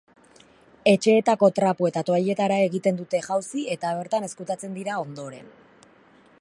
Etxeetako trapu eta toalletara egiten dute jauzi eta bertan ezkutatzen dira ondoren.